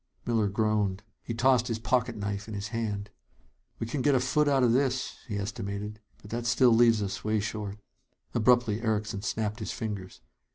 Miller groaned. He tossed his pocket knife in his hand. "We can get a foot out of this," he estimated. "But that still leaves us way short." Abruptly, Erickson snapped his fingers.